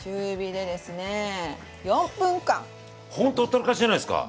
これでほんとほったらかしじゃないですか。